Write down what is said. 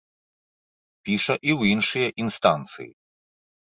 Піша і ў іншыя інстанцыі.